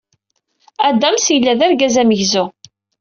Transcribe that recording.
Adams yella d argaz d amegzu.